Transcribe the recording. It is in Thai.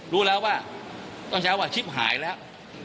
รู้แล้วว่าต้องใช้ว่าชิปหายแล้ว